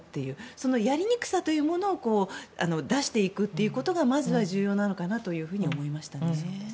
その、やりにくさというものを出していくということがまずは重要なのかなと思いました。